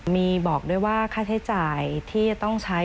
มีบอกด้วยว่าค่าใช้จ่ายที่จะต้องใช้